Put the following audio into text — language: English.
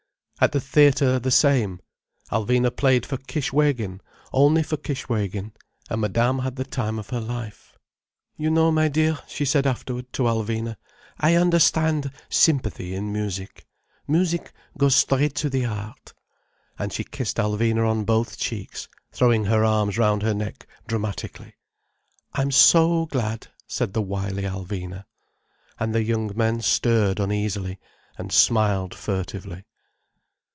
At the theatre the same: Alvina played for Kishwégin, only for Kishwégin. And Madame had the time of her life. "You know, my dear," she said afterward to Alvina, "I understand sympathy in music. Music goes straight to the heart." And she kissed Alvina on both cheeks, throwing her arms round her neck dramatically. "I'm so glad," said the wily Alvina. And the young men stirred uneasily, and smiled furtively.